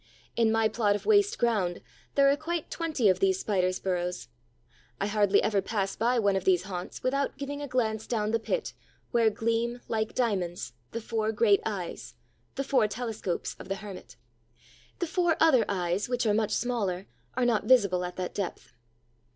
In my plot of waste ground, there are quite twenty of these Spiders' burrows. I hardly ever pass by one of these haunts without giving a glance down the pit where gleam, like diamonds, the four great eyes, the four telescopes of the hermit. The four other eyes, which are much smaller, are not visible at that depth.